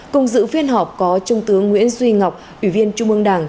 cùng dự phiên họp có trung tướng nguyễn duy ngọc ủy viên trung ương đảng